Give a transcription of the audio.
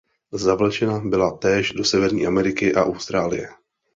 Zavlečena byla též do Severní Ameriky a Austrálie.